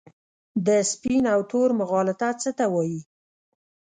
د سپین او تور مغالطه څه ته وايي؟